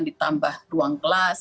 ditambah ruang kelas